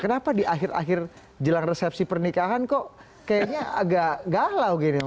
kenapa di akhir akhir jelang resepsi pernikahan kok kayaknya agak galau gini